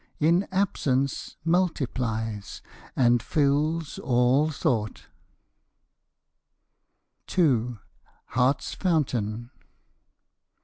In absence multiplies, and fills all thought. II. HEART'S FOUNTAIN.